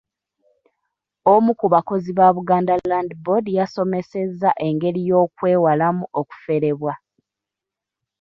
Omu ku bakozi ba Buganda Land Board yasomesezza engeri y'okwewalamu okuferebwa.